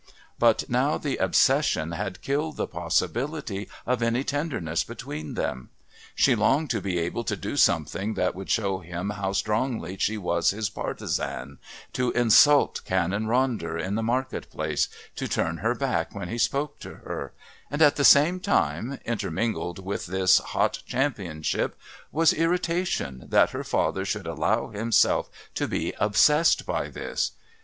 But now the obsession had killed the possibility of any tenderness between them; she longed to be able to do something that would show him how strongly she was his partisan, to insult Canon Ronder in the market place, to turn her back when he spoke to her and, at the same time, intermingled with this hot championship was irritation that her father should allow himself to be obsessed by this.